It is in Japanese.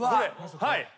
はい。